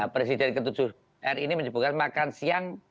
presiden ke tujuh r ini menyebutkan makan siang